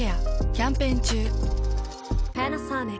キャンペーン中。